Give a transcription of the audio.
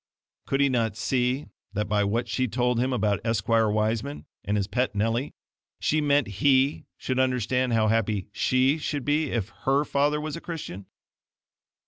Could he not see that by what she had told him about Esquire Wiseman and his pet Nellie, she meant HE should understand how happy SHE should be if HER father was a Christian?